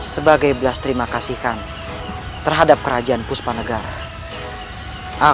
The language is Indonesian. sebagai belas terima kasih kami terhadap kerajaan puspah negara